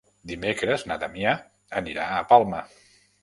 Dimecres na Damià anirà a Palma.